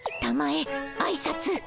たまえあいさつ。